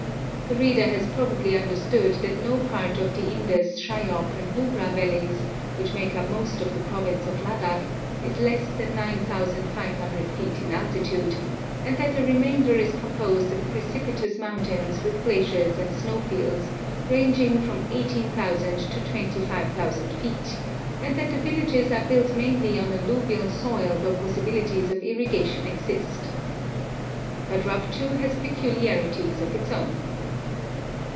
The reader has probably understood that no part of the Indus, Shayok, and Nubra valleys, which make up most of the province of Ladak, is less than 9,500 feet in altitude, and that the remainder is composed of precipitous mountains with glaciers and snowfields, ranging from 18,000 to 25,000 feet, and that the villages are built mainly on alluvial soil where possibilities of irrigation exist. But Rupchu has peculiarities of its own.